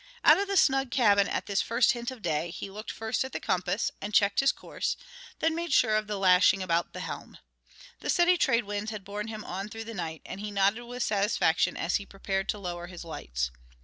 Out of the snug cabin at this first hint of day, he looked first at the compass and checked his course, then made sure of the lashing about the helm. The steady trade winds had borne him on through the night, and he nodded with satisfaction as he prepared to lower his lights.